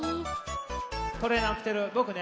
トレーナーきてるぼくね。